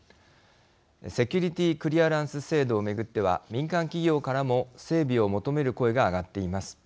セキュリティークリアランス制度を巡っては民間企業からも整備を求める声が上がっています。